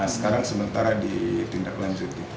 sekarang sementara ditindak lanjut